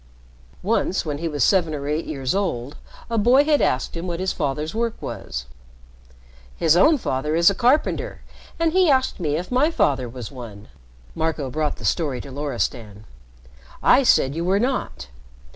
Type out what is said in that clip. Once, when he was seven or eight years old, a boy had asked him what his father's work was. "His own father is a carpenter, and he asked me if my father was one," Marco brought the story to Loristan. "I said you were not.